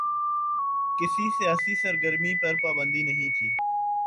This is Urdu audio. کسی سیاسی سرگرمی پر پابندی نہیں تھی۔